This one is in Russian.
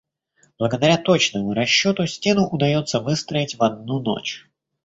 Благодаря точному расчёту, стену удаётся выстроить в одну ночь.